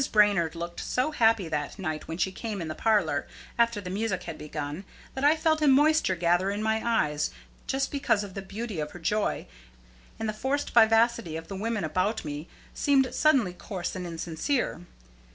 Brainard looked so happy that night when she came in the parlor, after the music had begun, that I felt a moisture gather in my eyes just because of the beauty of her joy, and the forced vivacity of the women about me seemed suddenly coarse and insincere.